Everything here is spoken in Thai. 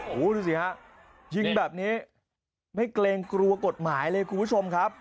โอ้โหดูสิฮะยิงแบบนี้ไม่เกรงกลัวกฎหมายเลยคุณผู้ชมครับ